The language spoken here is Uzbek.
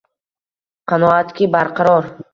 Qanoatki barqaror